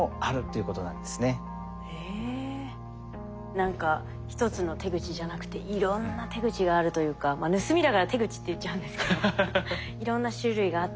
何か１つの手口じゃなくていろんな手口があるというかまあ盗みだから「手口」って言っちゃうんですけど。